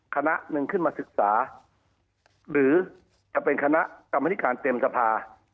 คณะหนึ่งขึ้นมาศึกษาหรือจะเป็นคณะกรรมนิการเต็มสภา